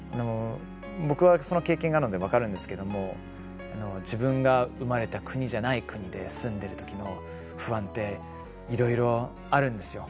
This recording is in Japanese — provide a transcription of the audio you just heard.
僕はその経験があるので分かるんですけども自分が生まれた国じゃない国で住んでるときの不安っていろいろあるんですよ。